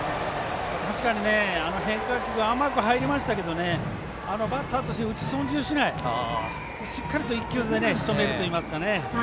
確かに変化球が甘く入りましたけどバッターとして打ち損じをしないしっかりと１球でしとめるといいますかね。